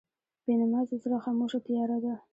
بېنمازه زړه خاموشه تیاره ده.